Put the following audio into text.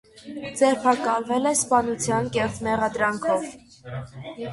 Ձերբակալվել է սպանության կեղծ մեղադրանքով։